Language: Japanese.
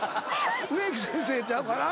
植木先生ちゃうかな？